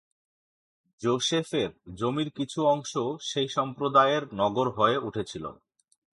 যোষেফের জমির কিছু অংশ সেই সম্প্রদায়ের নগর হয়ে উঠেছিল।